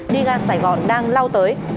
đi ra sài gòn đang lao tới